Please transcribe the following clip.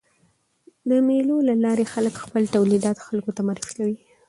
د مېلو له لاري خلک خپل تولیدات خلکو ته معرفي کوي.